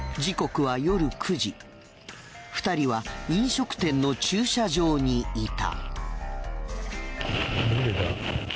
２人は飲食店の駐車場にいた。